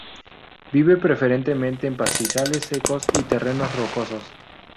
Vive preferentemente en pastizales secos y terrenos rocosos.